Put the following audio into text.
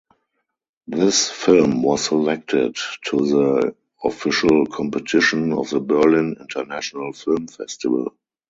This film was selected to the official competition of the Berlin International Film Festival.